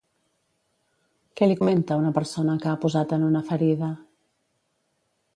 Què li comenta una persona que ha posat en una ferida?